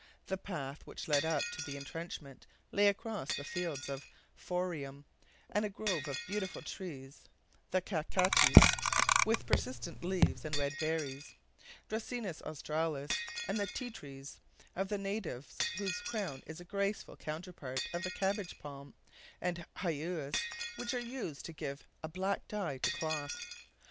The path which led up to the intrenchment, lay across fields of "phormium" and a grove of beautiful trees, the "kai kateas" with persistent leaves and red berries; "dracaenas australis," the "ti trees" of the natives, whose crown is a graceful counterpart of the cabbage palm, and "huious," which are used to give a black dye to cloth.